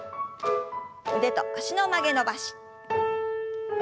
腕と脚の曲げ伸ばし。